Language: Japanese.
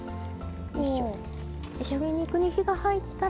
鶏肉に火が入ったら。